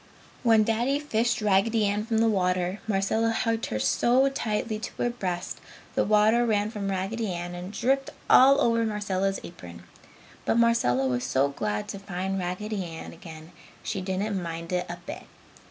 When Daddy fished Raggedy Ann from the water, Marcella hugged her so tightly to her breast the water ran from Raggedy Ann and dripped all over Marcella's apron. But Marcella was so glad to find Raggedy Ann again she didn't mind it a bit.